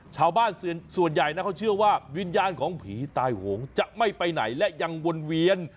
ชาวบ้านส่วนใหญ่นะเขาเชื่อว่าวิญญาณของผีตายโหงจะไม่ไปไหนและยังวนเวียน